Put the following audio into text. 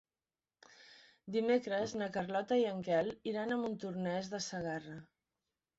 Dimecres na Carlota i en Quel iran a Montornès de Segarra.